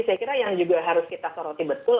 saya kira yang juga harus kita soroti betul